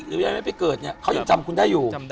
ยังไม่ไปเกิดเนี่ยเขายังจำคุณได้อยู่